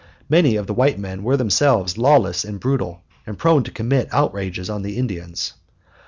Many of the white men were themselves lawless and brutal, and prone to commit outrages on the Indians.